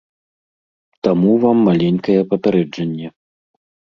Таму вам маленькае папярэджанне.